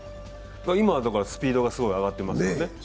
今はスピードがすごい上がってますよね。